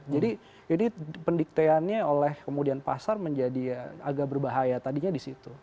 jadi pendikteannya oleh kemudian pasar menjadi agak berbahaya tadinya di situ